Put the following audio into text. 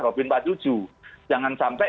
robin empat puluh tujuh jangan sampai